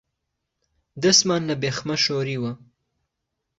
دەستمان لە بێخمە شۆریوە